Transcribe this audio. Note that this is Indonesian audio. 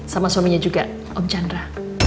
sama suaminya juga om chandra